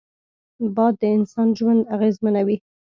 باد د انسان ژوند اغېزمنوي